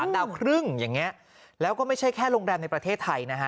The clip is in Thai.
ดาวครึ่งอย่างนี้แล้วก็ไม่ใช่แค่โรงแรมในประเทศไทยนะฮะ